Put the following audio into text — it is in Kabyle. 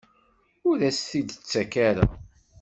Ur as-t-id-tettak ara?